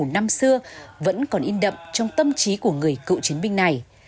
năm xưa vẫn còn in đậm trong tâm trí của người cựu chiến binh này